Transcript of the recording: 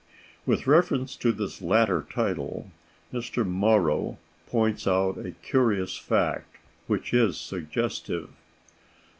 With reference to this latter title, Mr. Morrow points out a curious fact, which is suggestive.